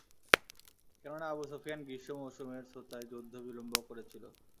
কেননা আবু সুফিয়ান গ্রীষ্ম মৌসুমের ছুতায় যুদ্ধ বিলম্ব করেছিল।